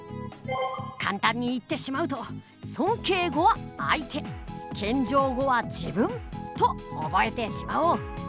簡単に言ってしまうと尊敬語は相手謙譲語は自分と覚えてしまおう。